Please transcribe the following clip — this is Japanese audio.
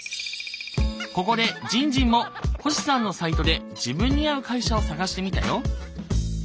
ここでじんじんも星さんのサイトで自分に合う会社を探してみたよ。